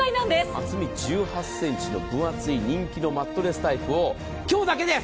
厚み１８ｃｍの分厚い人気のマットレスタイプを今日だけです！